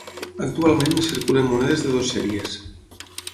Actualment en circulen monedes de dues sèries.